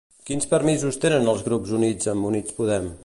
Quins permisos tenen els grups units amb Units Podem?